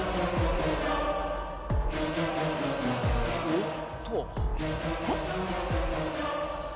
おっと！えっ？